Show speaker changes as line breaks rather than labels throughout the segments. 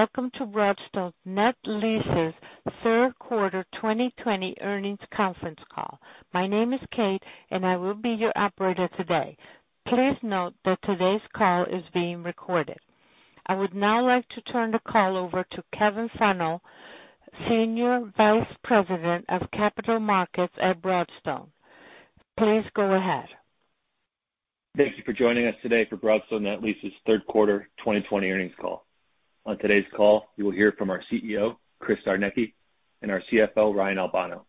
Hello, welcome to Broadstone Net Lease's third quarter 2020 earnings conference call. My name is Kate, and I will be your operator today. Please note that today's call is being recorded. I would now like to turn the call over to Kevin Fennell, Senior Vice President of Capital Markets at Broadstone. Please go ahead.
Thank you for joining us today for Broadstone Net Lease's third quarter 2020 earnings call. On today's call, you will hear from our CEO, Christopher Czarnecki, and our CFO, Ryan Albano.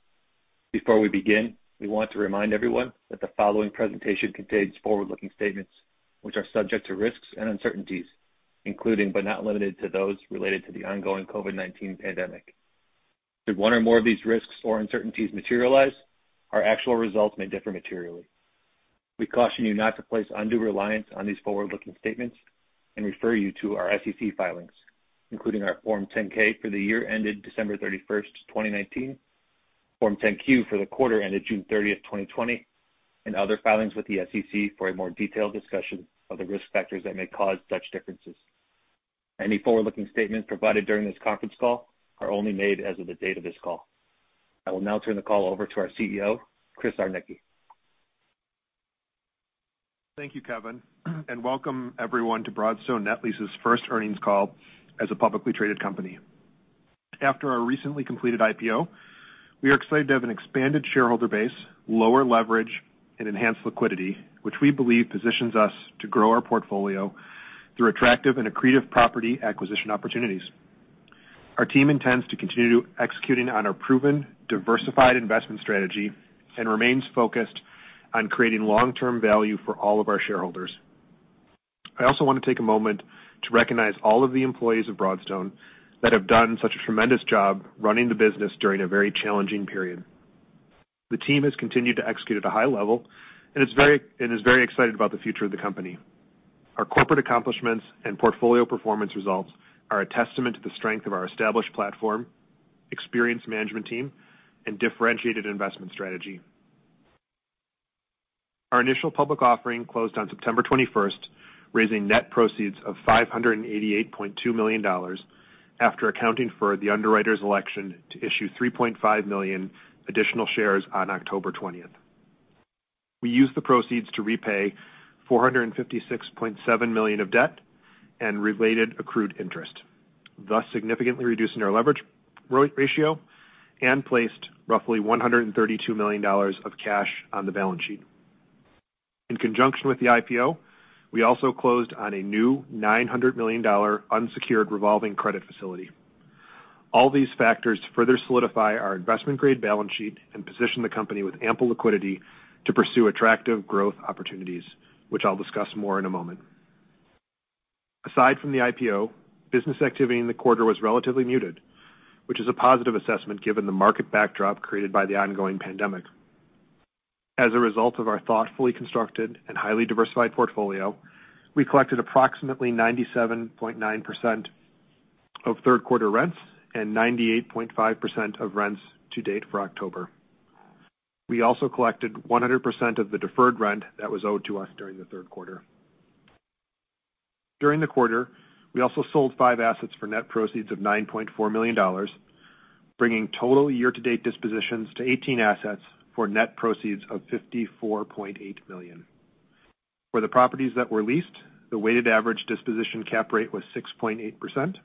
Before we begin, we want to remind everyone that the following presentation contains forward-looking statements which are subject to risks and uncertainties, including but not limited to those related to the ongoing COVID-19 pandemic. Should one or more of these risks or uncertainties materialize, our actual results may differ materially. We caution you not to place undue reliance on these forward-looking statements and refer you to our SEC filings, including our Form 10-K for the year ended December 31st, 2019, Form 10-Q for the quarter ended June 30th, 2020, and other filings with the SEC for a more detailed discussion of the risk factors that may cause such differences. Any forward-looking statements provided during this conference call are only made as of the date of this call. I will now turn the call over to our CEO, Christopher Czarnecki.
Thank you, Kevin, and welcome everyone to Broadstone Net Lease's first earnings call as a publicly traded company. After our recently completed IPO, we are excited to have an expanded shareholder base, lower leverage, and enhanced liquidity, which we believe positions us to grow our portfolio through attractive and accretive property acquisition opportunities. Our team intends to continue executing on our proven diversified investment strategy and remains focused on creating long-term value for all of our shareholders. I also want to take a moment to recognize all of the employees of Broadstone that have done such a tremendous job running the business during a very challenging period. The team has continued to execute at a high level and is very excited about the future of the company. Our corporate accomplishments and portfolio performance results are a testament to the strength of our established platform, experienced management team, and differentiated investment strategy. Our initial public offering closed on September 21st, raising net proceeds of $588.2 million after accounting for the underwriter's election to issue 3.5 million additional shares on October 20th. We used the proceeds to repay $456.7 million of debt and related accrued interest, thus significantly reducing our leverage ratio and placed roughly $132 million of cash on the balance sheet. In conjunction with the IPO, we also closed on a new $900 million unsecured revolving credit facility. All these factors further solidify our investment-grade balance sheet and position the company with ample liquidity to pursue attractive growth opportunities, which I'll discuss more in a moment. Aside from the IPO, business activity in the quarter was relatively muted, which is a positive assessment given the market backdrop created by the ongoing pandemic. As a result of our thoughtfully constructed and highly diversified portfolio, we collected approximately 97.9% of third quarter rents and 98.5% of rents to date for October. We also collected 100% of the deferred rent that was owed to us during the third quarter. During the quarter, we also sold five assets for net proceeds of $9.4 million, bringing total year-to-date dispositions to 18 assets for net proceeds of $54.8 million. For the properties that were leased, the weighted average disposition cap rate was 6.8%.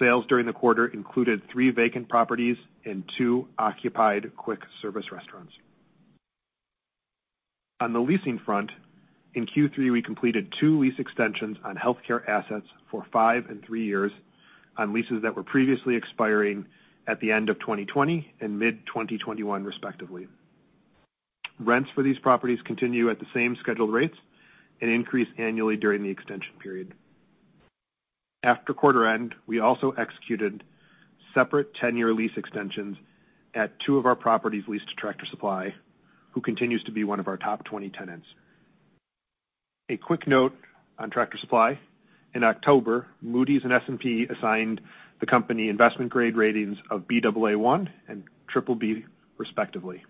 Sales during the quarter included three vacant properties and two occupied quick service restaurants. On the leasing front, in Q3, we completed two lease extensions on healthcare assets for five and three years on leases that were previously expiring at the end of 2020 and mid-2021, respectively. Rents for these properties continue at the same scheduled rates and increase annually during the extension period. After quarter end, we also executed separate 10-year lease extensions at two of our properties leased to Tractor Supply, who continues to be one of our top 20 tenants. A quick note on Tractor Supply. In October, Moody's and S&P assigned the company investment grade ratings of Baa1 and BBB, respectively.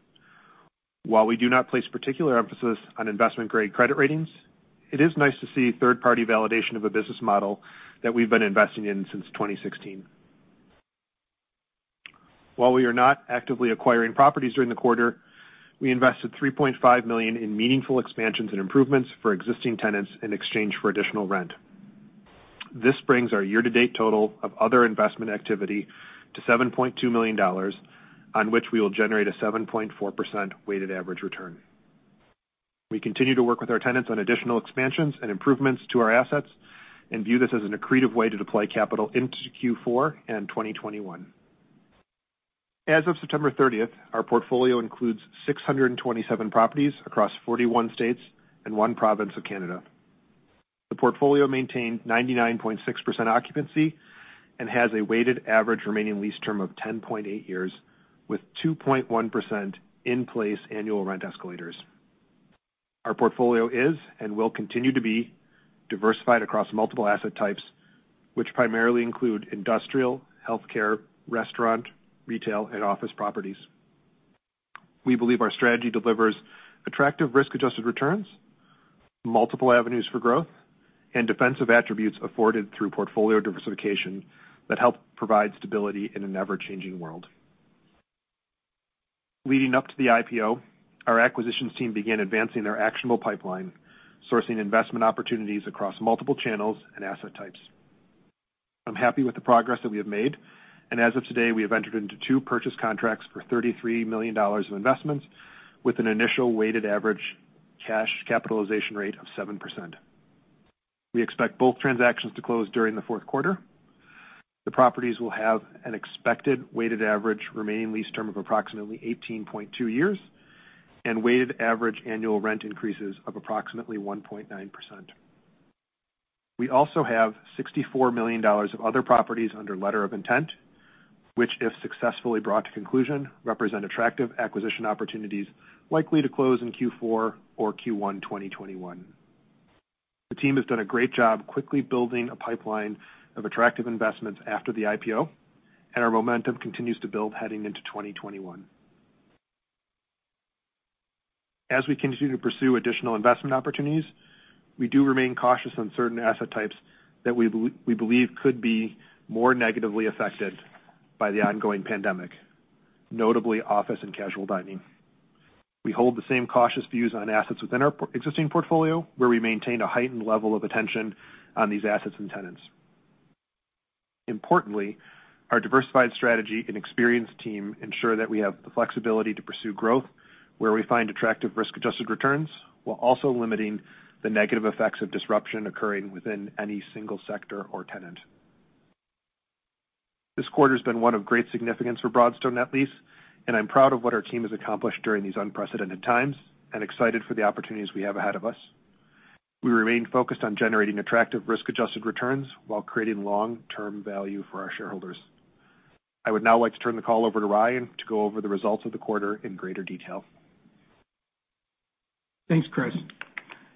While we do not place particular emphasis on investment grade credit ratings, it is nice to see third-party validation of a business model that we've been investing in since 2016. While we are not actively acquiring properties during the quarter, we invested $3.5 million in meaningful expansions and improvements for existing tenants in exchange for additional rent. This brings our year-to-date total of other investment activity to $7.2 million, on which we will generate a 7.4% weighted average return. We continue to work with our tenants on additional expansions and improvements to our assets and view this as an accretive way to deploy capital in Q4 and 2021. As of September 30th, our portfolio includes 627 properties across 41 states and one province of Canada. The portfolio maintained 99.6% occupancy and has a weighted average remaining lease term of 10.8 years with 2.1% in place annual rent escalators. Our portfolio is and will continue to be diversified across multiple asset types, which primarily include industrial, healthcare, restaurant, retail, and office properties. We believe our strategy delivers attractive risk-adjusted returns, multiple avenues for growth, and defensive attributes afforded through portfolio diversification that help provide stability in an ever-changing world. Leading up to the IPO, our acquisitions team began advancing their actionable pipeline, sourcing investment opportunities across multiple channels and asset types. I'm happy with the progress that we have made, and as of today, we have entered into two purchase contracts for $33 million of investments with an initial weighted average cash capitalization rate of 7%. We expect both transactions to close during the fourth quarter. The properties will have an expected weighted average remaining lease term of approximately 18.2 years and weighted average annual rent increases of approximately 1.9%. We also have $64 million of other properties under letter of intent, which, if successfully brought to conclusion, represent attractive acquisition opportunities likely to close in Q4 or Q1 2021. The team has done a great job quickly building a pipeline of attractive investments after the IPO, and our momentum continues to build heading into 2021. As we continue to pursue additional investment opportunities, we do remain cautious on certain asset types that we believe could be more negatively affected by the ongoing pandemic, notably office and casual dining. We hold the same cautious views on assets within our existing portfolio, where we maintain a heightened level of attention on these assets and tenants. Importantly, our diversified strategy and experienced team ensure that we have the flexibility to pursue growth where we find attractive risk-adjusted returns, while also limiting the negative effects of disruption occurring within any single sector or tenant. This quarter's been one of great significance for Broadstone Net Lease, and I'm proud of what our team has accomplished during these unprecedented times and excited for the opportunities we have ahead of us. We remain focused on generating attractive risk-adjusted returns while creating long-term value for our shareholders. I would now like to turn the call over to Ryan to go over the results of the quarter in greater detail.
Thanks, Chris.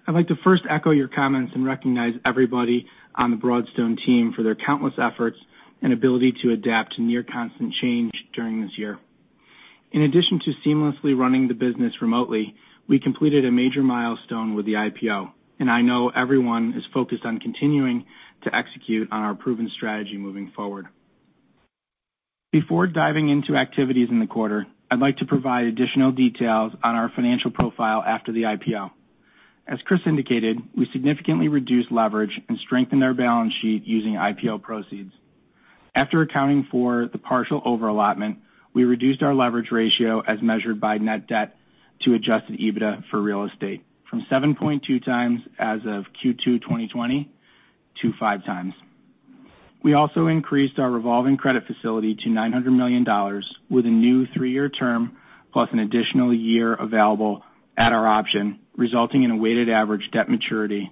I'd like to first echo your comments and recognize everybody on the Broadstone team for their countless efforts and ability to adapt to near constant change during this year. In addition to seamlessly running the business remotely, we completed a major milestone with the IPO, and I know everyone is focused on continuing to execute on our proven strategy moving forward. Before diving into activities in the quarter, I'd like to provide additional details on our financial profile after the IPO. As Chris indicated, we significantly reduced leverage and strengthened our balance sheet using IPO proceeds. After accounting for the partial over allotment, we reduced our leverage ratio as measured by net debt to adjusted EBITDA for real estate from 7.2x as of Q2 2020 to five times. We also increased our revolving credit facility to $900 million with a new three-year term, plus an additional year available at our option, resulting in a weighted average debt maturity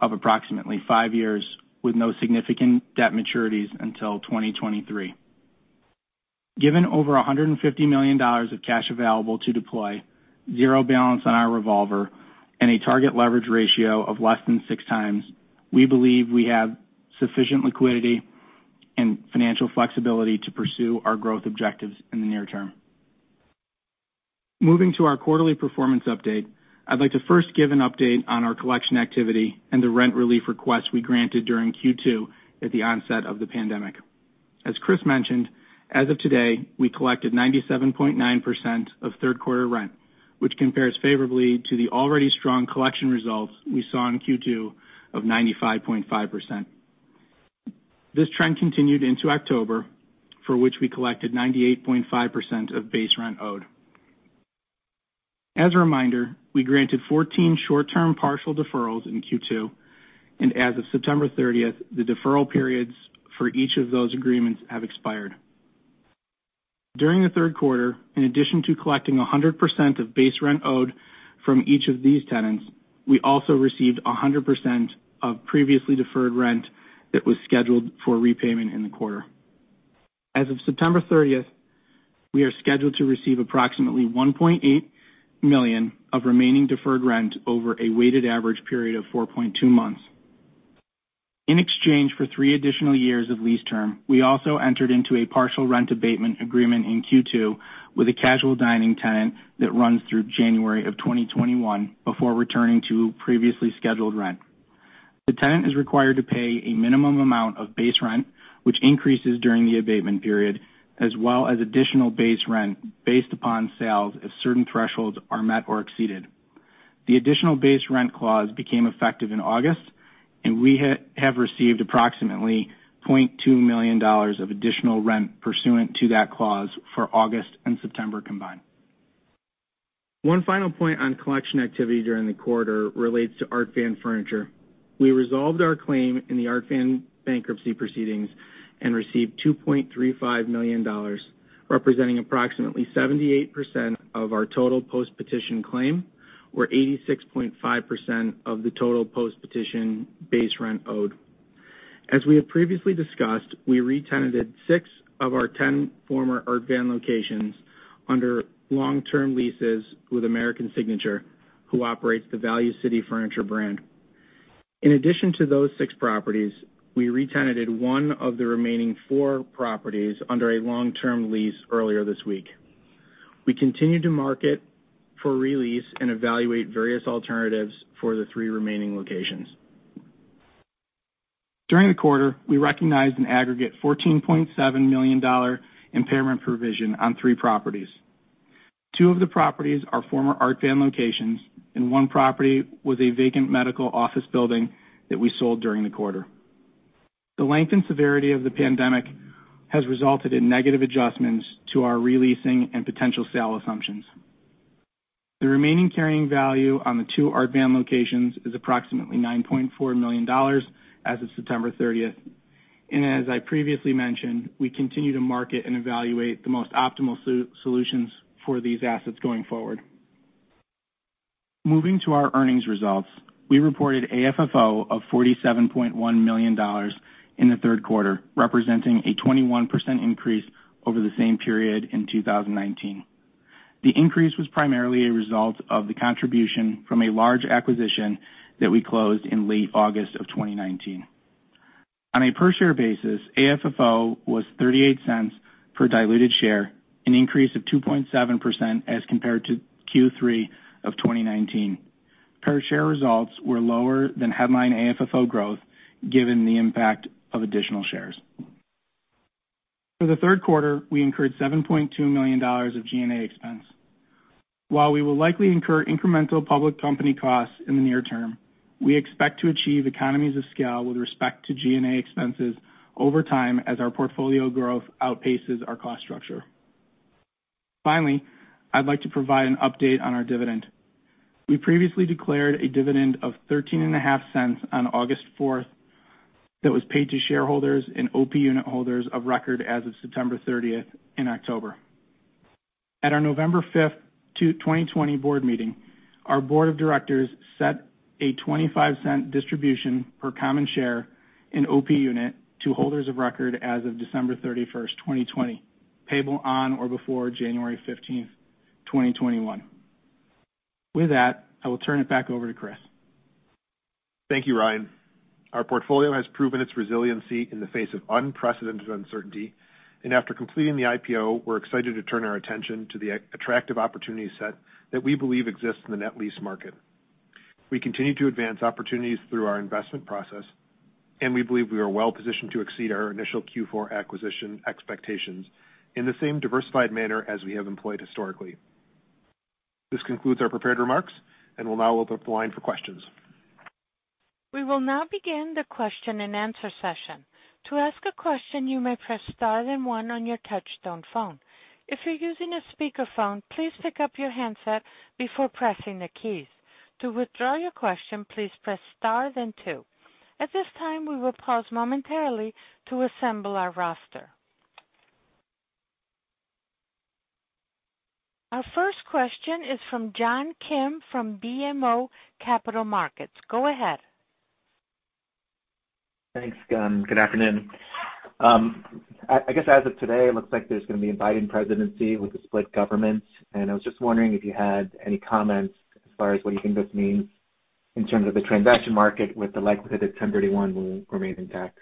of approximately five years with no significant debt maturities until 2023. Given over $150 million of cash available to deploy, zero balance on our revolver, and a target leverage ratio of less than six times, we believe we have sufficient liquidity and financial flexibility to pursue our growth objectives in the near term. Moving to our quarterly performance update, I'd like to first give an update on our collection activity and the rent relief request we granted during Q2 at the onset of the pandemic. As Chris mentioned, as of today, we collected 97.9% of third quarter rent, which compares favorably to the already strong collection results we saw in Q2 of 95.5%. This trend continued into October, for which we collected 98.5% of base rent owed. As a reminder, we granted 14 short-term partial deferrals in Q2, and as of September 30th, the deferral periods for each of those agreements have expired. During the third quarter, in addition to collecting 100% of base rent owed from each of these tenants, we also received 100% of previously deferred rent that was scheduled for repayment in the quarter. As of September 30th, we are scheduled to receive approximately $1.8 million of remaining deferred rent over a weighted average period of 4.2 months. In exchange for three additional years of lease term, we also entered into a partial rent abatement agreement in Q2 with a casual dining tenant that runs through January of 2021 before returning to previously scheduled rent. The tenant is required to pay a minimum amount of base rent, which increases during the abatement period, as well as additional base rent based upon sales if certain thresholds are met or exceeded. The additional base rent clause became effective in August, and we have received approximately [$0.2] million of additional rent pursuant to that clause for August and September combined. One final point on collection activity during the quarter relates to Art Van Furniture. We resolved our claim in the Art Van bankruptcy proceedings and received $2.35 million, representing approximately 78% of our total post-petition claim or 86.5% of the total post-petition base rent owed. As we have previously discussed, we re-tenanted six of our 10 former Art Van locations under long-term leases with American Signature, who operates the Value City Furniture brand. In addition to those six properties, we re-tenanted one of the remaining four properties under a long-term lease earlier this week. We continue to market for re-lease and evaluate various alternatives for the three remaining locations. During the quarter, we recognized an aggregate $14.7 million impairment provision on three properties. Two of the properties are former Art Van locations, and one property was a vacant medical office building that we sold during the quarter. The length and severity of the pandemic has resulted in negative adjustments to our re-leasing and potential sale assumptions. The remaining carrying value on the two Art Van locations is approximately $9.4 million as of September 30th. As I previously mentioned, we continue to market and evaluate the most optimal solutions for these assets going forward. Moving to our earnings results, we reported AFFO of $47.1 million in the third quarter, representing a 21% increase over the same period in 2019. The increase was primarily a result of the contribution from a large acquisition that we closed in late August of 2019. On a per share basis, AFFO was $0.38 per diluted share, an increase of 2.7% as compared to Q3 of 2019. Per share results were lower than headline AFFO growth given the impact of additional shares. For the third quarter, we incurred $7.2 million of G&A expense. While we will likely incur incremental public company costs in the near term, we expect to achieve economies of scale with respect to G&A expenses over time as our portfolio growth outpaces our cost structure. Finally, I'd like to provide an update on our dividend. We previously declared a dividend of $0.135 on August 4th that was paid to shareholders and OP unit holders of record as of September 30th in October. At our November 5th, 2020 board meeting, our board of directors set a $0.25 distribution per common share in OP unit to holders of record as of December 31st, 2020, payable on or before January 15th, 2021. With that, I will turn it back over to Chris.
Thank you, Ryan. Our portfolio has proven its resiliency in the face of unprecedented uncertainty. After completing the IPO, we're excited to turn our attention to the attractive opportunity set that we believe exists in the net lease market. We continue to advance opportunities through our investment process, and we believe we are well positioned to exceed our initial Q4 acquisition expectations in the same diversified manner as we have employed historically. This concludes our prepared remarks, and we'll now open the line for questions.
Our first question is from John Kim from BMO Capital Markets. Go ahead.
Thanks. Good afternoon. I guess as of today, it looks like there's going to be a Biden presidency with a split government. I was just wondering if you had any comments as far as what you think this means in terms of the transaction market with the likelihood that 1031 will remain intact.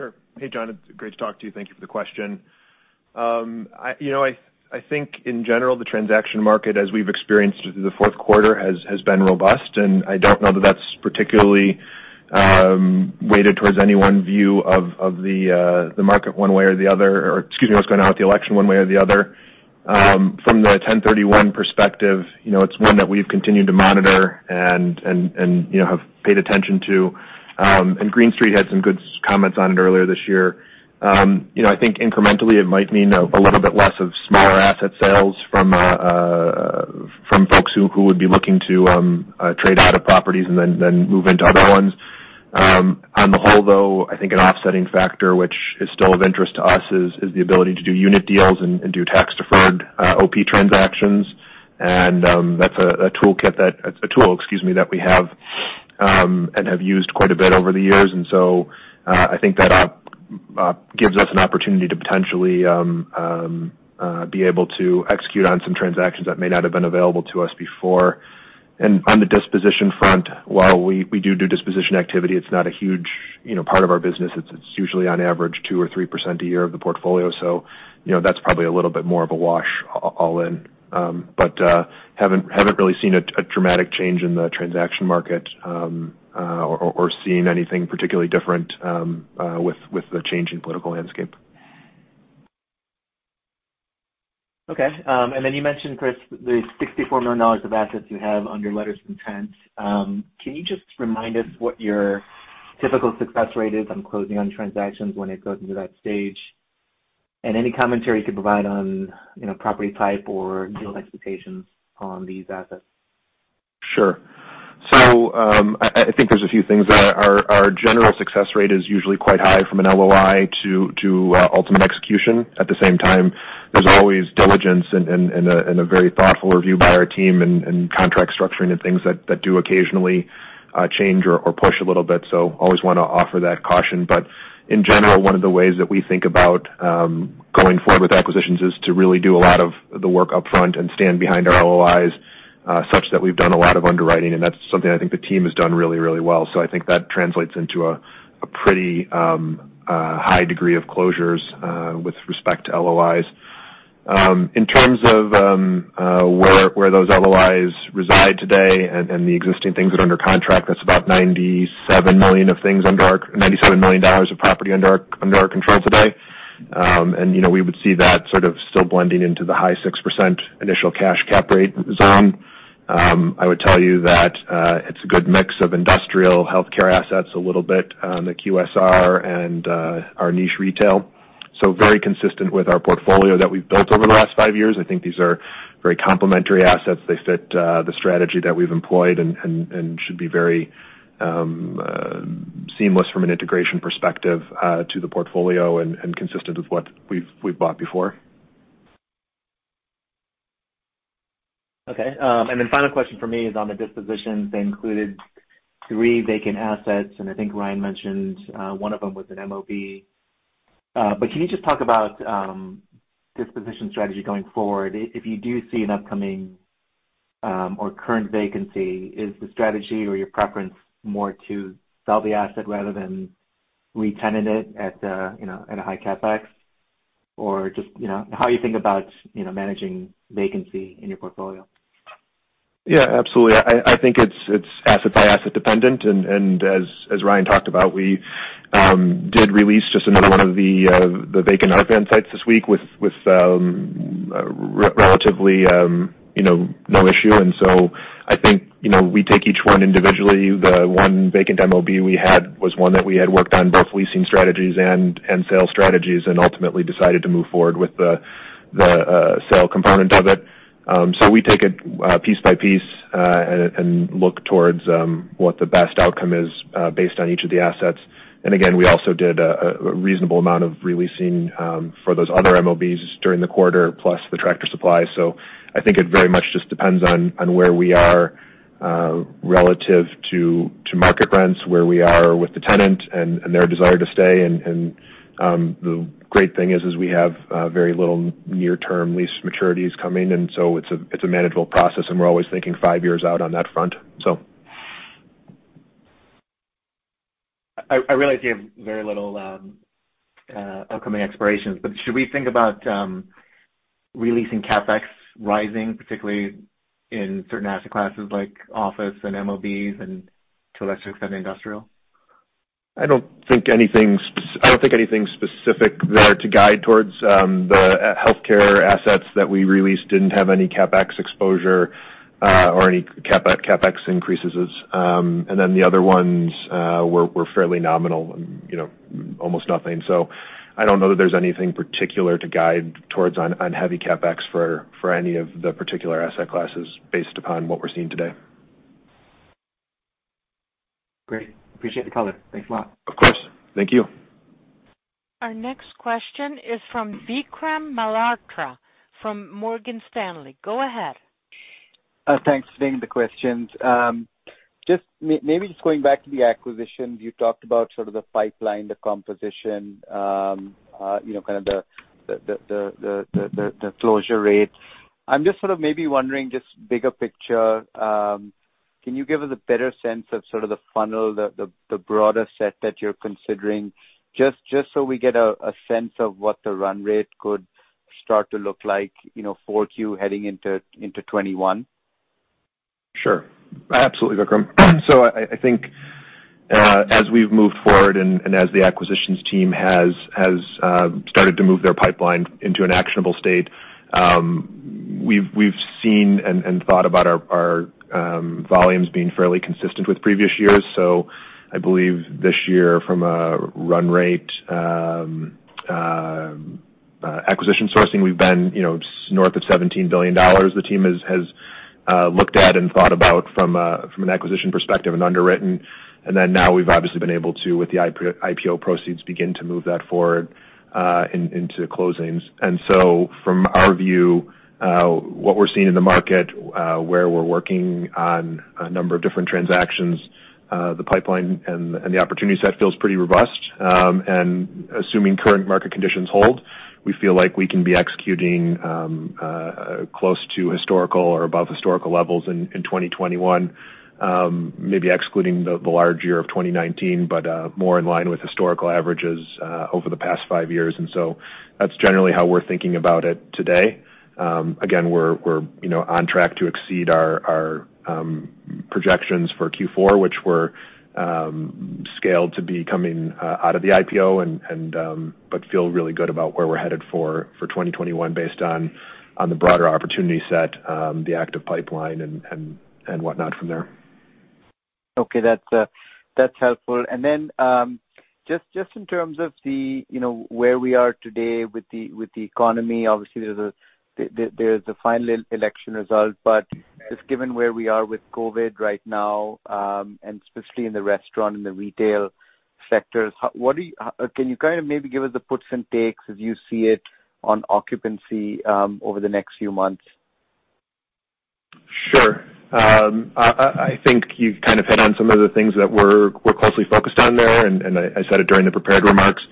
Sure. Hey, John, it's great to talk to you. Thank you for the question. I think in general, the transaction market as we've experienced through the fourth quarter has been robust, I don't know that that's particularly weighted towards any one view of the market one way or the other, or excuse me, what's going on with the election one way or the other. From the 1031 perspective, it's one that we've continued to monitor and have paid attention to. Green Street had some good comments on it earlier this year. I think incrementally it might mean a little bit less of smaller asset sales from folks who would be looking to trade out of properties and then move into other ones. On the whole, though, I think an offsetting factor which is still of interest to us is the ability to do unit deals and do tax deferred OP transactions. That's a tool, excuse me, that we have and have used quite a bit over the years. I think that gives us an opportunity to potentially be able to execute on some transactions that may not have been available to us before. On the disposition front, while we do disposition activity, it's not a huge part of our business. It's usually on average 2% or 3% a year of the portfolio. That's probably a little bit more of a wash all in. Haven't really seen a dramatic change in the transaction market or seen anything particularly different with the change in political landscape.
Okay. You mentioned, Chris, the $64 million of assets you have under letters of intent. Can you just remind us what your typical success rate is on closing on transactions when it goes into that stage? Any commentary you could provide on property type or deal expectations on these assets.
Sure. I think there's a few things there. Our general success rate is usually quite high from an LOI to ultimate execution. At the same time, there's always diligence and a very thoughtful review by our team and contract structuring and things that do occasionally change or push a little bit. Always want to offer that caution. In general, one of the ways that we think about going forward with acquisitions is to really do a lot of the work upfront and stand behind our LOIs such that we've done a lot of underwriting, and that's something I think the team has done really well. I think that translates into a pretty high degree of closures with respect to LOIs. In terms of where those LOIs reside today and the existing things that are under contract, that's about $97 million of property under our control today. We would see that sort of still blending into the high 6% initial cash cap rate zone. I would tell you that it's a good mix of industrial healthcare assets, a little bit the QSR and our niche retail. Very consistent with our portfolio that we've built over the last five years. I think these are very complementary assets. They fit the strategy that we've employed and should be very seamless from an integration perspective to the portfolio and consistent with what we've bought before.
Okay. Final question from me is on the dispositions. They included three vacant assets, and I think Ryan mentioned one of them was an MOB. Can you just talk about disposition strategy going forward? If you do see an upcoming or current vacancy, is the strategy or your preference more to sell the asset rather than retenant it at a high CapEx? Just how you think about managing vacancy in your portfolio.
Yeah, absolutely. I think it's asset by asset dependent. As Ryan talked about, we did release just another one of the vacant sites this week with relatively no issue. I think we take each one individually. The one vacant MOB we had was one that we had worked on both leasing strategies and sales strategies, and ultimately decided to move forward with the sale component of it. We take it piece by piece, and look towards what the best outcome is based on each of the assets. Again, we also did a reasonable amount of re-leasing for those other MOBs during the quarter, plus the Tractor Supply. I think it very much just depends on where we are relative to market rents, where we are with the tenant and their desire to stay. The great thing is we have very little near-term lease maturities coming. It's a manageable process, and we're always thinking five years out on that front.
I realize you have very little upcoming expirations, but should we think about releasing CapEx rising, particularly in certain asset classes like office and MOBs, and to a lesser extent, industrial?
I don't think anything specific there to guide towards. The healthcare assets that we released didn't have any CapEx exposure or any CapEx increases. The other ones were fairly nominal, almost nothing. I don't know that there's anything particular to guide towards on heavy CapEx for any of the particular asset classes based upon what we're seeing today.
Great. Appreciate the color. Thanks a lot.
Of course. Thank you.
Our next question is from Vikram Malhotra from Morgan Stanley. Go ahead.
Thanks for taking the questions. Maybe just going back to the acquisitions, you talked about sort of the pipeline, the composition, kind of the closure rates. I'm just sort of maybe wondering, just bigger picture, can you give us a better sense of sort of the funnel, the broader set that you're considering, just so we get a sense of what the run rate could start to look like 4Q heading into 2021?
Sure. Absolutely, Vikram. I think as we've moved forward and as the acquisitions team has started to move their pipeline into an actionable state, we've seen and thought about our volumes being fairly consistent with previous years. I believe this year from a run rate acquisition sourcing, we've been north of $17 billion. The team has looked at and thought about from an acquisition perspective and underwritten. Now we've obviously been able to, with the IPO proceeds, begin to move that forward into closings. From our view, what we're seeing in the market, where we're working on a number of different transactions, the pipeline and the opportunity set feels pretty robust. Assuming current market conditions hold, we feel like we can be executing close to historical or above historical levels in 2021, maybe excluding the large year of 2019, but more in line with historical averages over the past five years. That's generally how we're thinking about it today. Again, we're on track to exceed our projections for Q4, which were scaled to be coming out of the IPO, but feel really good about where we're headed for 2021 based on the broader opportunity set, the active pipeline, and whatnot from there.
Okay, that's helpful. Just in terms of where we are today with the economy, obviously there's the final election result. Just given where we are with COVID right now, and specifically in the restaurant and the retail sectors, can you kind of maybe give us the puts and takes as you see it on occupancy over the next few months?
Sure. I think you've kind of hit on some of the things that we're closely focused on there. I said it during the prepared remarks.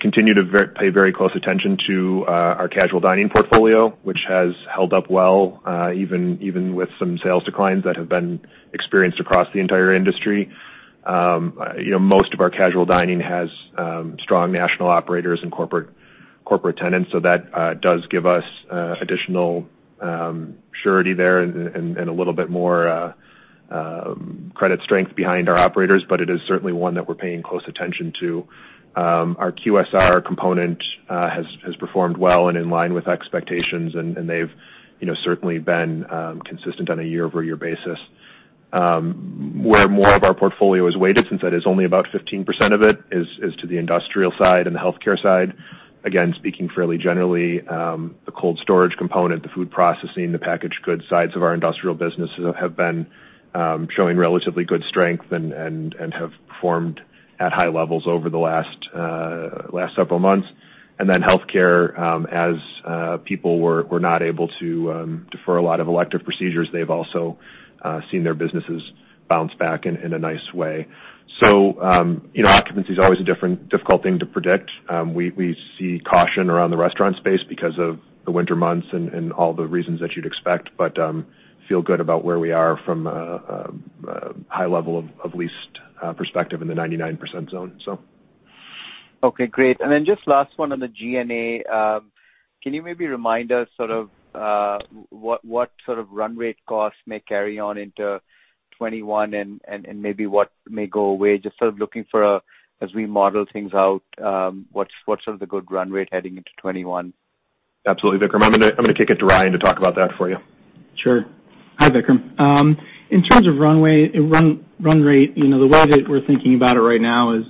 Continue to pay very close attention to our casual dining portfolio, which has held up well, even with some sales declines that have been experienced across the entire industry. Most of our casual dining has strong national operators and corporate tenants, so that does give us additional surety there and a little bit more credit strength behind our operators, but it is certainly one that we're paying close attention to. Our QSR component has performed well and in line with expectations, and they've certainly been consistent on a year-over-year basis. Where more of our portfolio is weighted, since that is only about 15% of it, is to the industrial side and the healthcare side. Again, speaking fairly generally, the cold storage component, the food processing, the packaged goods sides of our industrial businesses have been showing relatively good strength and have performed at high levels over the last several months. Healthcare, as people were not able to defer a lot of elective procedures, they've also seen their businesses bounce back in a nice way. Occupancy is always a difficult thing to predict. We see caution around the restaurant space because of the winter months and all the reasons that you'd expect, but feel good about where we are from a high level of leased perspective in the 99% zone.
Okay, great. Then just last one on the G&A. Can you maybe remind us what sort of run rate costs may carry on into 2021 and maybe what may go away? Just sort of looking for as we model things out, what's sort of the good run rate heading into 2021?
Absolutely, Vikram. I'm going to kick it to Ryan to talk about that for you.
Sure. Hi, Vikram. In terms of run rate, the way that we are thinking about it right now is,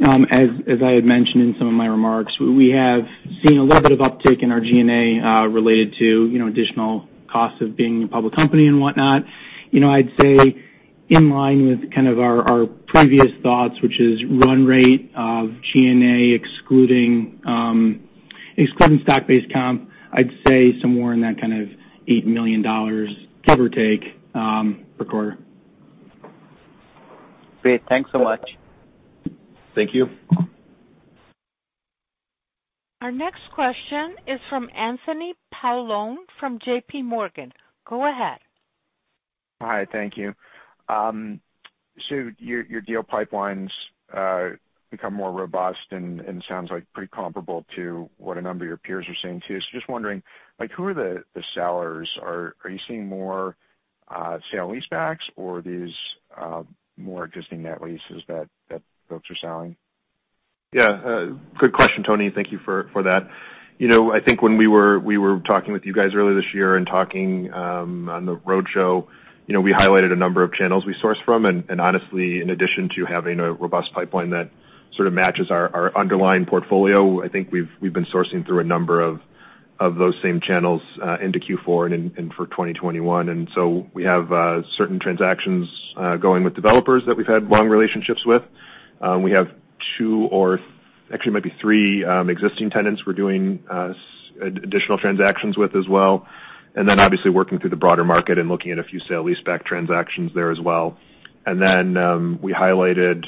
as I had mentioned in some of my remarks, we have seen a little bit of uptick in our G&A related to additional costs of being a public company and whatnot. I would say in line with kind of our previous thoughts, which is run rate of G&A excluding stock-based comp, I would say somewhere in that kind of $8 million, give or take, per quarter.
Great. Thanks so much.
Thank you.
Our next question is from Anthony Paolone from JPMorgan. Go ahead.
Hi, thank you. Your deal pipeline's become more robust and sounds like pretty comparable to what a number of your peers are seeing too. Just wondering, who are the sellers? Are you seeing more sale leasebacks or are these more existing net leases that folks are selling?
Good question, Tony. Thank you for that. I think when we were talking with you guys earlier this year and talking on the roadshow, we highlighted a number of channels we source from, and honestly, in addition to having a robust pipeline that sort of matches our underlying portfolio, I think we've been sourcing through a number of those same channels into Q4 and for 2021. We have certain transactions going with developers that we've had long relationships with. We have two or actually it might be three existing tenants we're doing additional transactions with as well, and then obviously working through the broader market and looking at a few sale leaseback transactions there as well. We highlighted,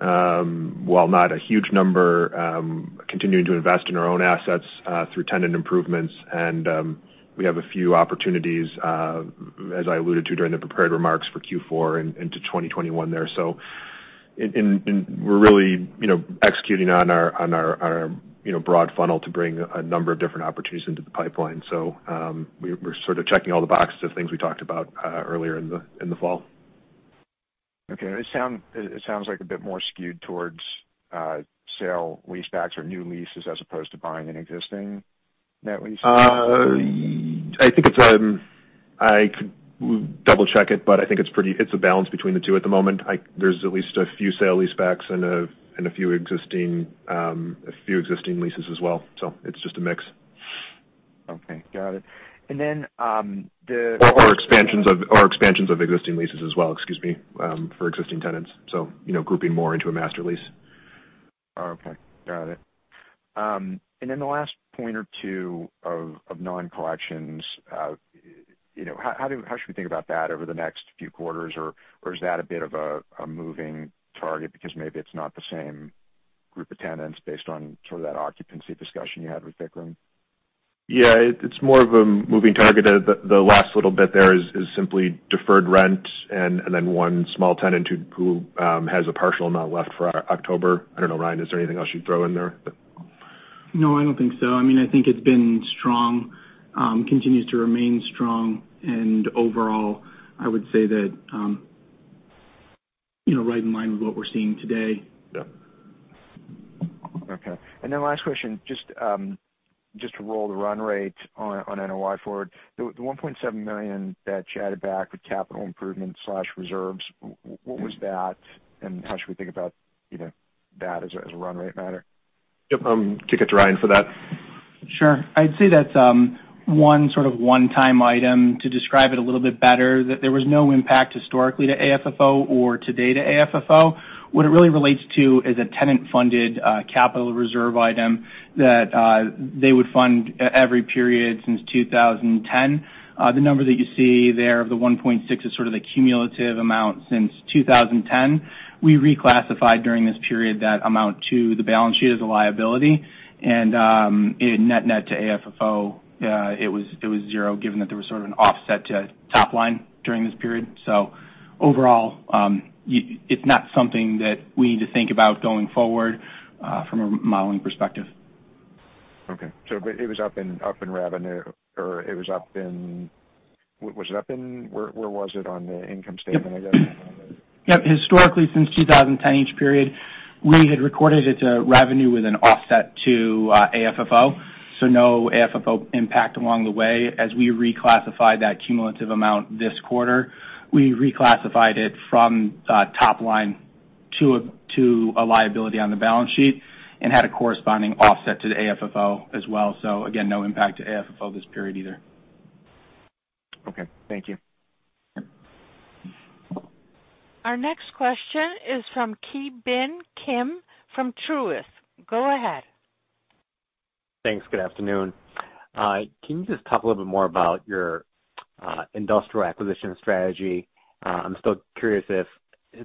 while not a huge number, continuing to invest in our own assets through tenant improvements, and we have a few opportunities, as I alluded to during the prepared remarks for Q4 into 2021 there. We're really executing on our broad funnel to bring a number of different opportunities into the pipeline. We're sort of checking all the boxes of things we talked about earlier in the fall.
Okay. It sounds like a bit more skewed towards sale leasebacks or new leases as opposed to buying an existing net lease.
I could double-check it, but I think it's a balance between the two at the moment. There's at least a few sale leasebacks and a few existing leases as well. It's just a mix.
Okay. Got it.
Expansions of existing leases as well. Excuse me. For existing tenants. Grouping more into a master lease.
Oh, okay. Got it. The last point or two of non-collections. How should we think about that over the next few quarters, or is that a bit of a moving target because maybe it's not the same group of tenants based on sort of that occupancy discussion you had with Vikram?
Yeah. It's more of a moving target. The last little bit there is simply deferred rent and then one small tenant who has a partial amount left for October. I don't know, Ryan, is there anything else you'd throw in there?
No, I don't think so. I think it's been strong, continues to remain strong, and overall, I would say that right in line with what we're seeing today.
Yeah.
Okay. Then last question, just to roll the run rate on NOI forward. The $1.7 million that you added back with capital improvement/reserves, what was that and how should we think about that as a run rate matter?
Yep. Kick it to Ryan for that.
Sure. I'd say that one sort of one-time item to describe it a little bit better, that there was no impact historically to AFFO or today to AFFO. What it really relates to is a tenant-funded capital reserve item that they would fund every period since 2010. The number that you see there of the $1.6 is sort of the cumulative amount since 2010. We reclassified during this period that amount to the balance sheet as a liability and net to AFFO, it was zero, given that there was sort of an offset to top line during this period. Overall, it's not something that we need to think about going forward from a modeling perspective.
Okay. It was up in revenue, or was it up in Where was it on the income statement, I guess?
Yep. Historically, since 2010, each period, we had recorded it to revenue with an offset to AFFO, no AFFO impact along the way. As we reclassified that cumulative amount this quarter, we reclassified it from top line to a liability on the balance sheet and had a corresponding offset to the AFFO as well. Again, no impact to AFFO this period either.
Okay. Thank you.
Our next question is from Ki Bin Kim from Truist. Go ahead.
Thanks. Good afternoon. Can you just talk a little bit more about your industrial acquisition strategy? I'm still curious if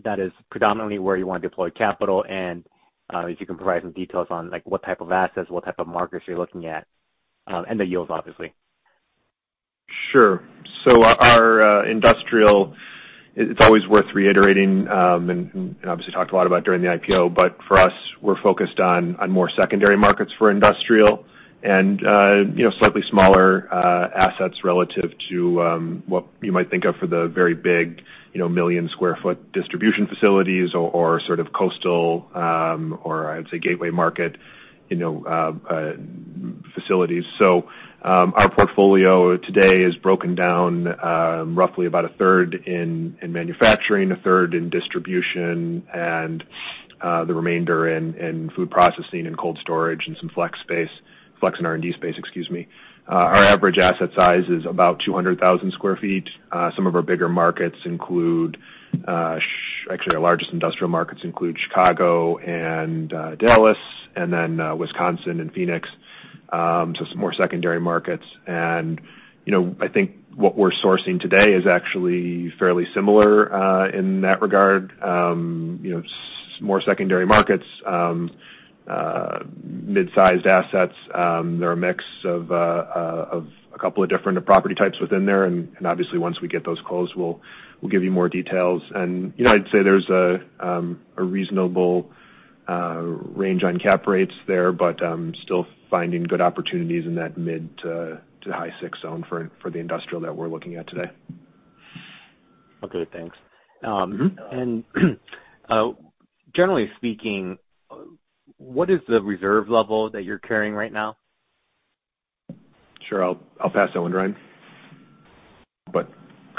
that is predominantly where you want to deploy capital and if you can provide some details on what type of assets, what type of markets you're looking at, and the yields, obviously.
Sure. Our industrial, it's always worth reiterating, and obviously talked a lot about during the IPO, but for us, we're focused on more secondary markets for industrial and slightly smaller assets relative to what you might think of for the very big million square feet distribution facilities or sort of coastal or I would say gateway market facilities. Our portfolio today is broken down roughly about a third in manufacturing, a third in distribution, and the remainder in food processing and cold storage and some flex space. Flex and R&D space, excuse me. Our average asset size is about 200,000 sq ft. Some of our bigger markets include Actually, our largest industrial markets include Chicago and Dallas, Wisconsin and Phoenix. Some more secondary markets. I think what we're sourcing today is actually fairly similar in that regard. More secondary markets, mid-sized assets. They're a mix of a couple of different property types within there. Obviously once we get those closed, we'll give you more details. I'd say there's a reasonable range on cap rates there, but still finding good opportunities in that mid to high six zone for the industrial that we're looking at today.
Okay, thanks. Generally speaking, what is the reserve level that you're carrying right now?
Sure. I'll pass that one to Ryan. Go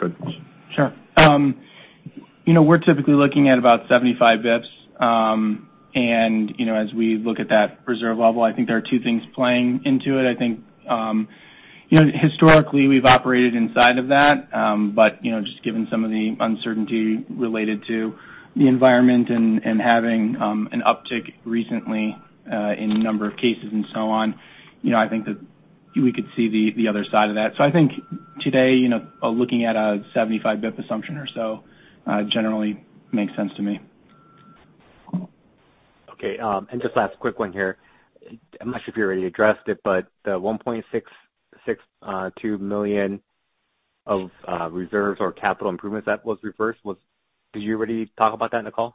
ahead.
Sure. We're typically looking at about 75 basis points. As we look at that reserve level, I think there are two things playing into it. Just given some of the uncertainty related to the environment and having an uptick recently in number of cases and so on, I think that we could see the other side of that. I think today, looking at a 75 basis point assumption or so generally makes sense to me.
Okay. Just last quick one here. I'm not sure if you already addressed it, but the $1.62 million of reserves or capital improvements that was reversed, did you already talk about that in the call?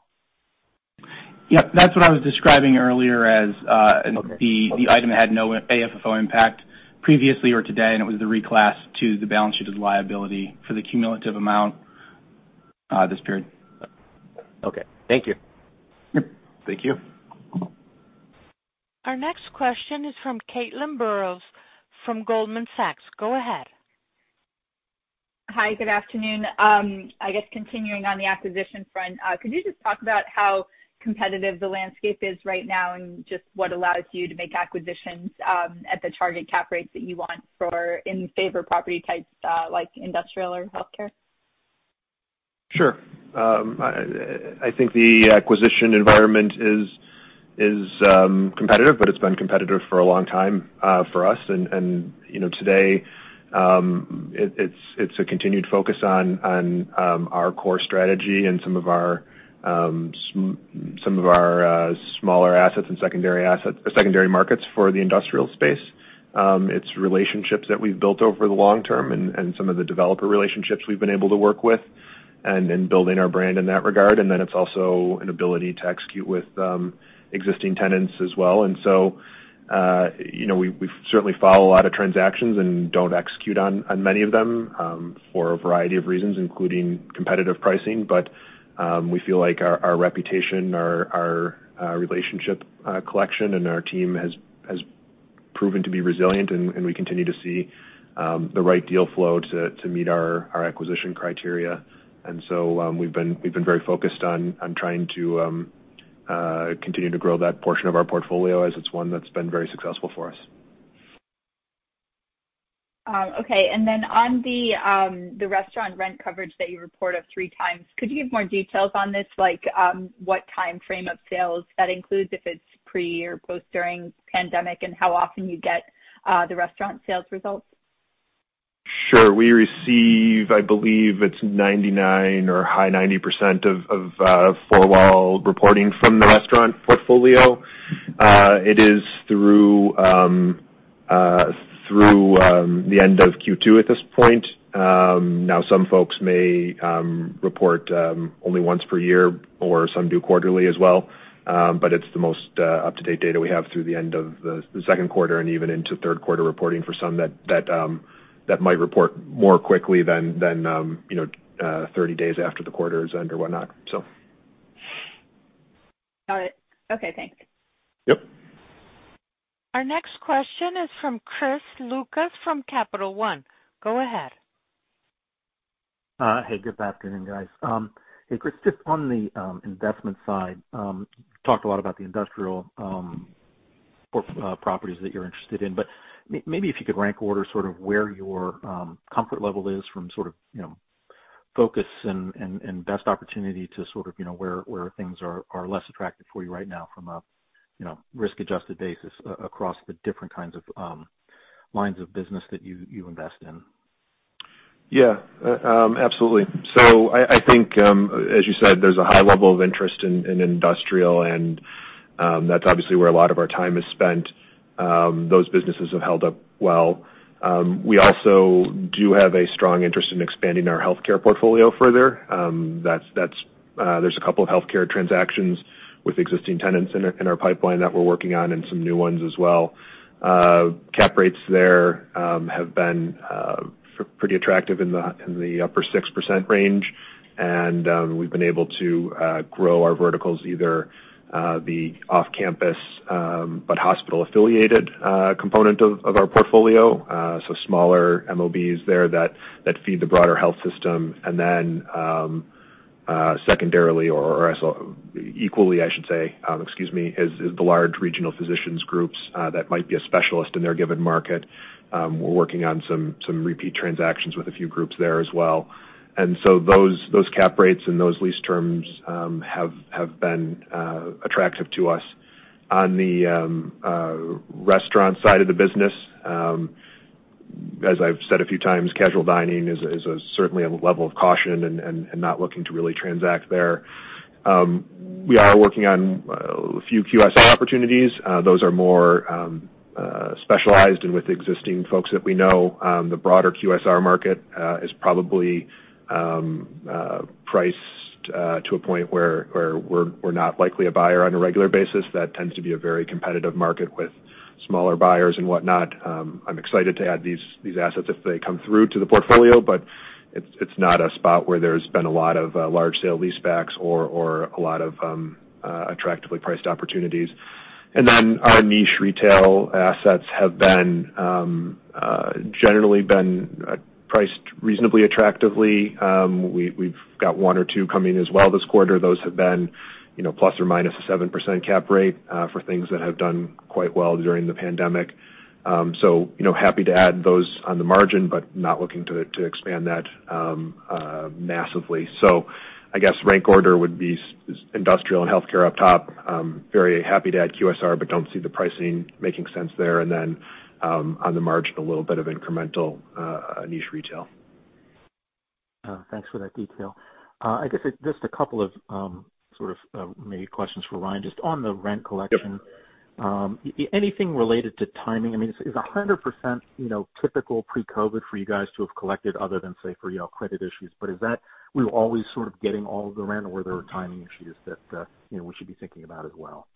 Yep, that's what I was describing earlier as.
Okay
the item that had no AFFO impact previously or today, and it was the reclass to the balance sheet as a liability for the cumulative amount this period.
Okay. Thank you.
Yep.
Thank you.
Our next question is from Caitlin Burrows from Goldman Sachs. Go ahead.
Hi, good afternoon. I guess continuing on the acquisition front, could you just talk about how competitive the landscape is right now and just what allows you to make acquisitions at the target cap rates that you want for in favor property types like industrial or healthcare?
Sure. I think the acquisition environment is competitive, but it's been competitive for a long time for us, and today it's a continued focus on our core strategy and some of our smaller assets and secondary markets for the industrial space. It's relationships that we've built over the long term and some of the developer relationships we've been able to work with and in building our brand in that regard. It's also an ability to execute with existing tenants as well. We certainly follow a lot of transactions and don't execute on many of them for a variety of reasons, including competitive pricing. We feel like our reputation, our relationship collection, and our team has proven to be resilient, and we continue to see the right deal flow to meet our acquisition criteria. We've been very focused on trying to continue to grow that portion of our portfolio as it's one that's been very successful for us.
Okay. Then on the restaurant rent coverage that you report of 3x, could you give more details on this, like what timeframe of sales that includes, if it's pre or post during pandemic, and how often you get the restaurant sales results?
Sure. We receive, I believe it's 99 or high 90% of four-wall reporting from the restaurant portfolio. It is through the end of Q2 at this point. Some folks may report only once per year, or some do quarterly as well. It's the most up-to-date data we have through the end of the second quarter and even into third quarter reporting for some that might report more quickly than 30 days after the quarter is end or whatnot.
All right. Okay, thanks.
Yep.
Our next question is from Chris Lucas from Capital One. Go ahead.
Hey, good afternoon, guys. Hey, Chris, just on the investment side, talked a lot about the industrial properties that you're interested in, but maybe if you could rank order sort of where your comfort level is from sort of focus and best opportunity to sort of where things are less attractive for you right now from a risk-adjusted basis across the different kinds of lines of business that you invest in.
Yeah. Absolutely. I think, as you said, there's a high level of interest in industrial, and that's obviously where a lot of our time is spent. Those businesses have held up well. We also do have a strong interest in expanding our healthcare portfolio further. There's a couple of healthcare transactions with existing tenants in our pipeline that we're working on and some new ones as well. Cap rates there have been pretty attractive in the upper 6% range. We've been able to grow our verticals, either the off-campus but hospital-affiliated component of our portfolio, so smaller MOBs there that feed the broader health system. Secondarily or equally, I should say, excuse me, is the large regional physicians groups that might be a specialist in their given market. We're working on some repeat transactions with a few groups there as well. Those cap rates and those lease terms have been attractive to us. On the restaurant side of the business, as I've said a few times, casual dining is certainly a level of caution and not looking to really transact there. We are working on a few QSR opportunities. Those are more specialized and with existing folks that we know. The broader QSR market is probably priced to a point where we're not likely a buyer on a regular basis. That tends to be a very competitive market with smaller buyers and whatnot. I'm excited to add these assets if they come through to the portfolio, but it's not a spot where there's been a lot of large sale lease backs or a lot of attractively priced opportunities. Our niche retail assets have generally been priced reasonably attractively. We've got one or two coming as well this quarter. Those have been ±7% cap rate for things that have done quite well during the pandemic. Happy to add those on the margin, but not looking to expand that massively. I guess rank order would be industrial and healthcare up top. Very happy to add QSR, but don't see the pricing making sense there. On the margin, a little bit of incremental niche retail.
Thanks for that detail. I guess just a couple of sort of maybe questions for Ryan, just on the rent collection.
Yep.
Anything related to timing? I mean, is 100% typical pre-COVID for you guys to have collected other than, say, for y'all credit issues. Is that we were always sort of getting all of the rent or were there timing issues that we should be thinking about as well?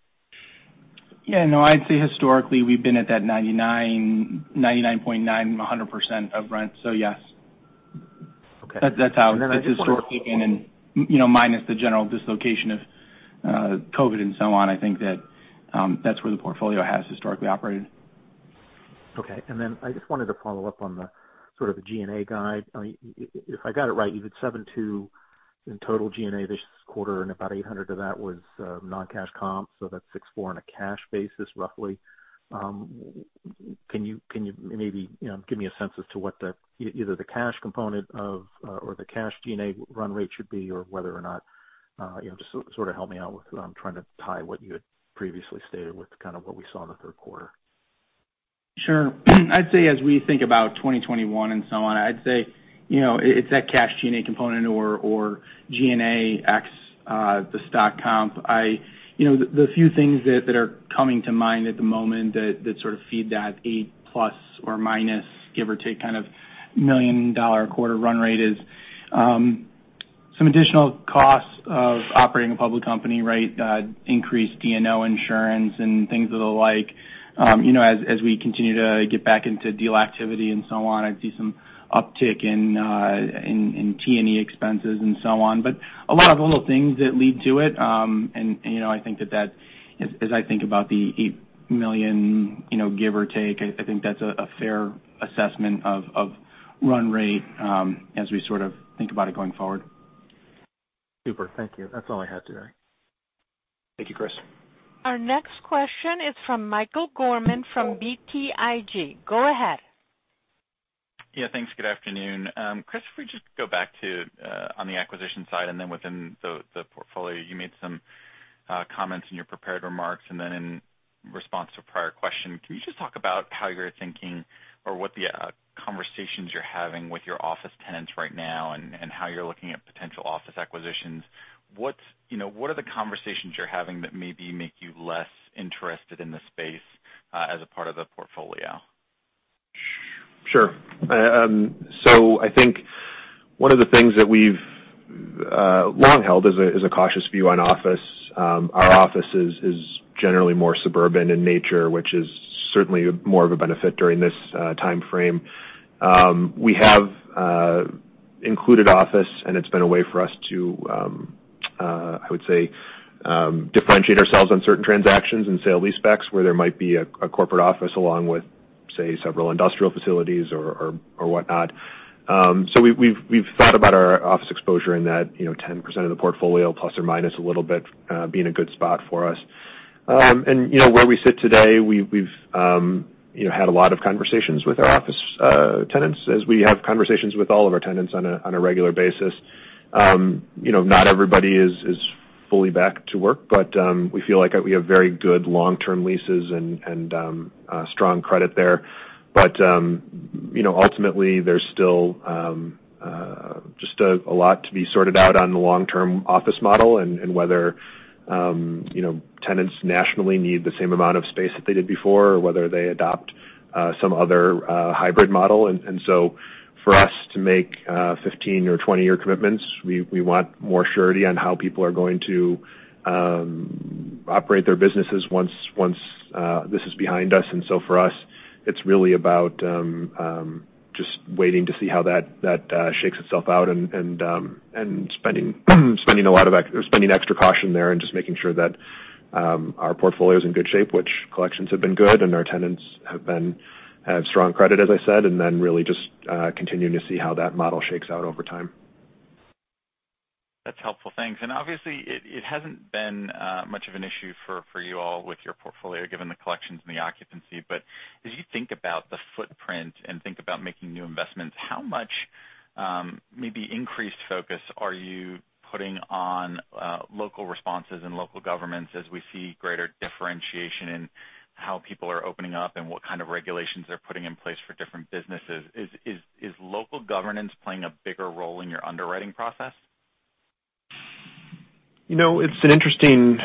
Yeah, no, I'd say historically we've been at that 99.9, 100% of rent. Yes.
Okay.
That's how it is historically. Minus the general dislocation of COVID and so on, I think that's where the portfolio has historically operated.
Okay. I just wanted to follow up on the sort of the G&A guide. If I got it right, you did $7.2 million in total G&A this quarter, and about $800,000 of that was non-cash comps, that's $6.4 million on a cash basis, roughly. Can you maybe give me a sense as to what either the cash component or the cash G&A run rate should be or just sort of help me out with what I'm trying to tie what you had previously stated with kind of what we saw in the third quarter?
Sure. I'd say as we think about 2021 and so on, I'd say it's that cash G&A component or G&A ex the stock comp. The few things that are coming to mind at the moment that sort of feed that $8 million plus or minus, give or take, a quarter run rate is some additional costs of operating a public company. Increased D&O insurance and things of the like. As we continue to get back into deal activity and so on, I see some uptick in T&E expenses and so on. A lot of little things that lead to it. As I think about the $8 million, give or take, I think that's a fair assessment of run rate as we think about it going forward.
Super. Thank you. That's all I had today.
Thank you, Chris.
Our next question is from Michael Gorman from BTIG. Go ahead.
Thanks. Good afternoon. Chris, if we just go back to on the acquisition side and then within the portfolio. You made some comments in your prepared remarks, and then in response to a prior question. Can you just talk about how you're thinking or what the conversations you're having with your office tenants right now and how you're looking at potential office acquisitions? What are the conversations you're having that maybe make you less interested in the space as a part of the portfolio?
Sure. I think one of the things that we've long held is a cautious view on office. Our office is generally more suburban in nature, which is certainly more of a benefit during this timeframe. We have included office, and it's been a way for us to, I would say, differentiate ourselves on certain transactions and sale-leasebacks where there might be a corporate office along with, say, several industrial facilities or whatnot. We've thought about our office exposure in that 10% of the portfolio plus or minus a little bit being a good spot for us. Where we sit today, we've had a lot of conversations with our office tenants as we have conversations with all of our tenants on a regular basis. Not everybody is fully back to work, but we feel like we have very good long-term leases and strong credit there. Ultimately, there's still just a lot to be sorted out on the long-term office model and whether tenants nationally need the same amount of space that they did before or whether they adopt some other hybrid model. For us to make 15 or 20-year commitments, we want more surety on how people are going to operate their businesses once this is behind us. For us, it's really about just waiting to see how that shakes itself out and spending extra caution there and just making sure that our portfolio is in good shape, which collections have been good and our tenants have strong credit, as I said, and then really just continuing to see how that model shakes out over time.
That's helpful. Thanks. Obviously, it hasn't been much of an issue for you all with your portfolio, given the collections and the occupancy. As you think about the footprint and think about making new investments, how much maybe increased focus are you putting on local responses and local governments as we see greater differentiation in how people are opening up and what kind of regulations they're putting in place for different businesses? Is local governance playing a bigger role in your underwriting process?
It's an interesting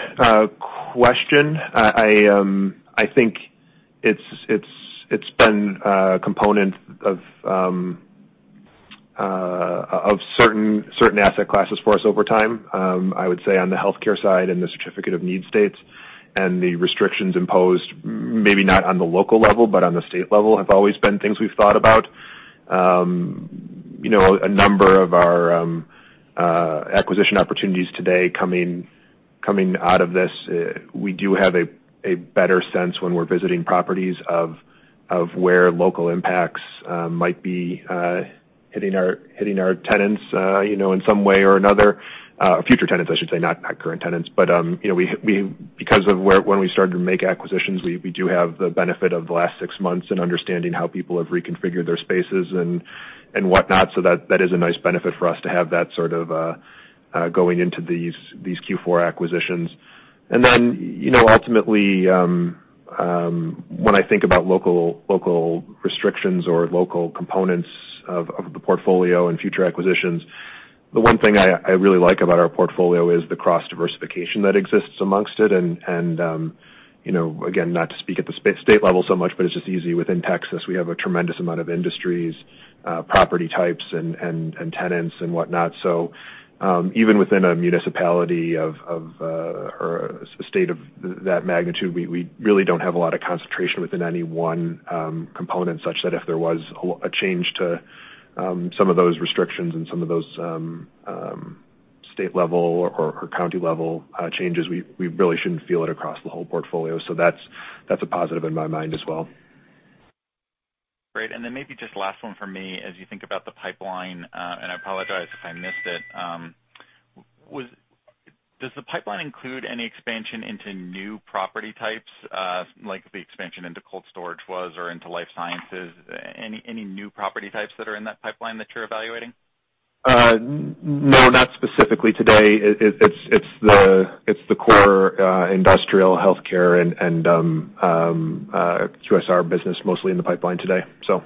question. I think it's been a component of certain asset classes for us over time. I would say on the healthcare side and the certificate of need states and the restrictions imposed, maybe not on the local level, but on the state level, have always been things we've thought about. A number of our acquisition opportunities today coming out of this, we do have a better sense when we're visiting properties of where local impacts might be hitting our tenants in some way or another. Future tenants, I should say, not current tenants. Because of when we started to make acquisitions, we do have the benefit of the last six months and understanding how people have reconfigured their spaces and whatnot. That is a nice benefit for us to have that sort of going into these Q4 acquisitions. Ultimately, when I think about local restrictions or local components of the portfolio and future acquisitions, the one thing I really like about our portfolio is the cross-diversification that exists amongst it. Again, not to speak at the state level so much, but it's just easy within Texas. We have a tremendous amount of industries, property types and tenants and whatnot. Even within a municipality or a state of that magnitude, we really don't have a lot of concentration within any one component such that if there was a change to some of those restrictions and some of those state level or county level changes, we really shouldn't feel it across the whole portfolio. That's a positive in my mind as well.
Great. Maybe just last one from me as you think about the pipeline, and I apologize if I missed it. Does the pipeline include any expansion into new property types, like the expansion into cold storage was or into life sciences? Any new property types that are in that pipeline that you're evaluating?
No, not specifically today. It's the core industrial healthcare and QSR business mostly in the pipeline today, so.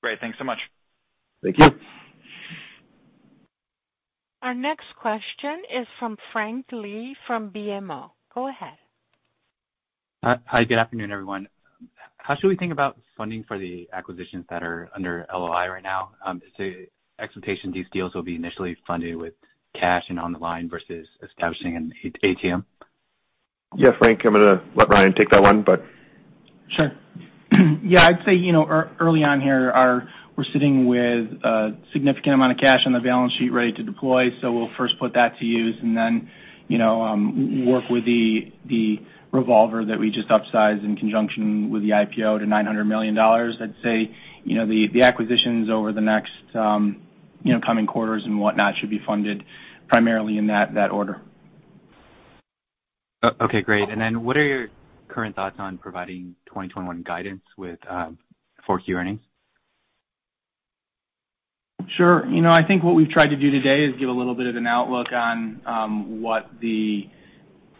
Great. Thanks so much.
Thank you.
Our next question is from Frank Lee from BMO. Go ahead.
Hi. Good afternoon, everyone. How should we think about funding for the acquisitions that are under LOI right now? Is the expectation these deals will be initially funded with cash and on the line versus establishing an ATM?
Yeah, Frank, I'm going to let Ryan take that one.
Sure. Yeah, I'd say, early on here, we're sitting with a significant amount of cash on the balance sheet ready to deploy. We'll first put that to use and then work with the revolver that we just upsized in conjunction with the IPO to $900 million. I'd say, the acquisitions over the next coming quarters and whatnot should be funded primarily in that order.
Okay, great. What are your current thoughts on providing 2021 guidance for [Q earnings]?
Sure. I think what we've tried to do today is give a little bit of an outlook on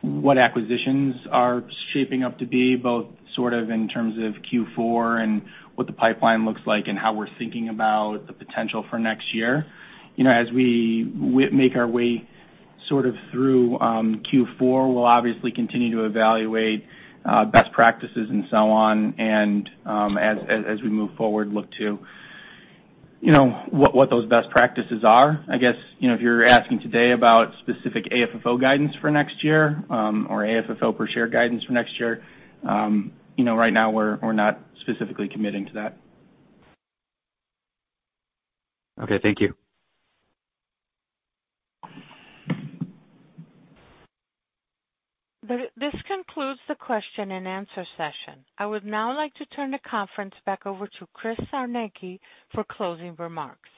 what acquisitions are shaping up to be, both sort of in terms of Q4 and what the pipeline looks like and how we're thinking about the potential for next year. As we make our way sort of through Q4, we'll obviously continue to evaluate best practices and so on, and as we move forward, look to what those best practices are. I guess, if you're asking today about specific AFFO guidance for next year or AFFO per share guidance for next year, right now we're not specifically committing to that.
Okay, thank you.
This concludes the question and answer session. I would now like to turn the conference back over to Chris Czarnecki for closing remarks.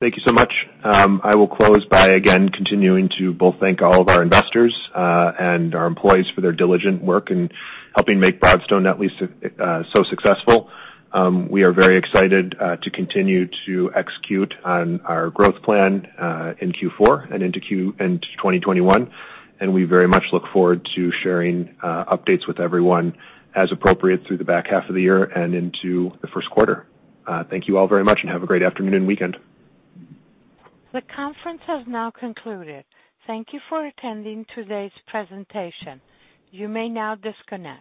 Thank you so much. I will close by, again, continuing to both thank all of our investors and our employees for their diligent work in helping make Broadstone Net Lease so successful. We are very excited to continue to execute on our growth plan in Q4 and into 2021, and we very much look forward to sharing updates with everyone as appropriate through the back half of the year and into the first quarter. Thank you all very much and have a great afternoon and weekend.
The conference has now concluded. Thank you for attending today's presentation. You may now disconnect.